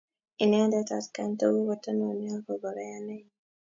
Inendet atkan tukul kotononi akopo kayanennyin